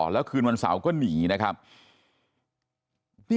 แล้วคืนวันเสาร์ก็หนีนะครับ